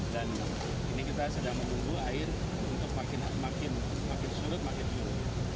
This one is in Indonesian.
dan ini kita sedang menunggu air untuk makin surut makin surut